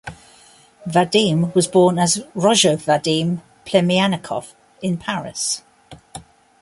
Vadim was born as Roger Vadim Plemiannikov in Paris.